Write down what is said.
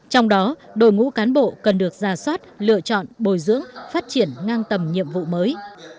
trong đó đội ngũ cán bộ cần được ra soát lựa chọn bồi dưỡng phát triển ngang tầm nhiệm vụ mới